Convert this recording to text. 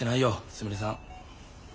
すみれさん。